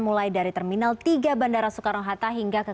mulai dari terminal tiga bandara soekarno hatta hingga ke